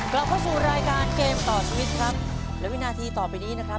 กลับเข้าสู่รายการเกมต่อชีวิตครับและวินาทีต่อไปนี้นะครับ